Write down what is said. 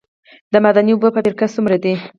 د معدني اوبو فابریکې څومره دي؟